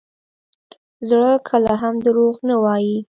زړه کله هم دروغ نه وایي.